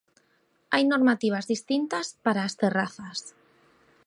Hai normativas distintas para as terrazas.